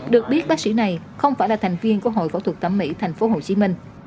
được biết bác sĩ này không phải là thành viên của hội phẫu thuật thẩm mỹ tp hcm